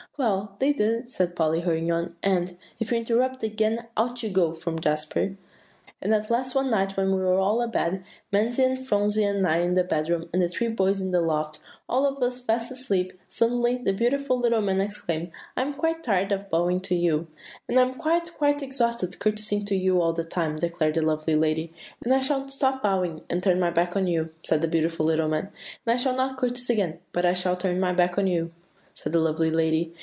"Well, they did," said Polly, hurrying on; "and" "If you interrupt again, out you go," from Jasper. "And at last one night when we were all abed, Mamsie and Phronsie and I in the bedroom, and the three boys in the loft, and all of us fast asleep, suddenly the beautiful little man exclaimed, 'I am quite tired out bowing to you!' 'And I am quite, quite exhausted courtesying to you all the time,' declared the lovely lady. "'And I shall stop bowing, and turn my back on you,' said the beautiful little man. "'And I shall not courtesy again, but I shall turn my back on you,' said the lovely lady.